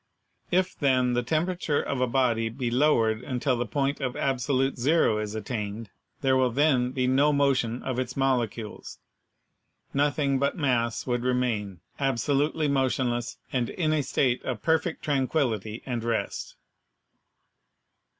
If, then, the temperature of a body be lowered until the point of absolute zero is attained, there will then be no motion of its molecules — nothing but mass would remain, absolutely motionless and in a state of perfect tranquillity and rest.